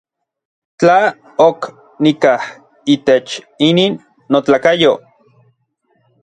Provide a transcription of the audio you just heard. Tla ok nikaj itech inin notlakayo.